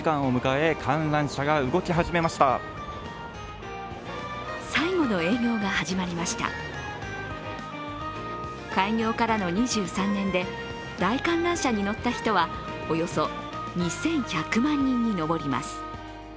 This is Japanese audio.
開業からの２３年で、大観覧車に乗った人はおよそ２１００万人に上ります。